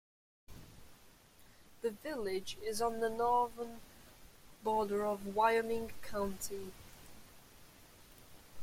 The village is on the northern border of Wyoming County.